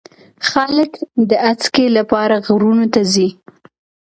خلک د اسکی لپاره غرونو ته ځي.